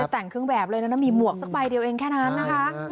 แต่งเครื่องแบบเลยนะมีหมวกสักใบเดียวเองแค่นั้นนะคะ